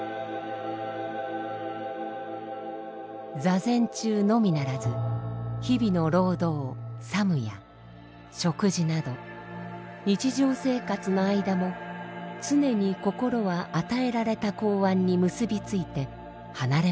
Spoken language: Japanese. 坐禅中のみならず日々の労働「作務」や食事など日常生活の間も常に心は与えられた公案に結びついて離れません。